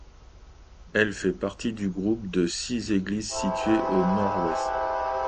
Elle fait partie du groupe de six églises situé au Nord-Ouest.